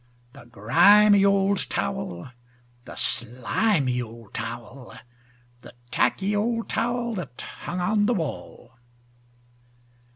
The grimy old towel, the slimy old towel, The tacky old towel that hung on the wall.